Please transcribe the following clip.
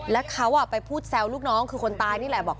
แล้วเขาไปพูดแซวลูกน้องคือคนตายนี่แหละบอก